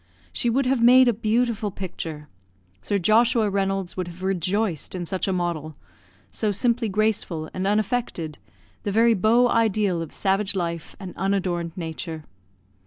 She would have made a beautiful picture; Sir Joshua Reynolds would have rejoiced in such a model so simply graceful and unaffected, the very beau ideal of savage life and unadorned nature.